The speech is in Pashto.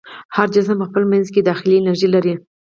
هر جسم په خپل منځ کې داخلي انرژي لري.